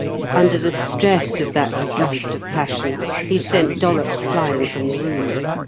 Under the stress of that gust of passion, he sent Dollops flying from the room.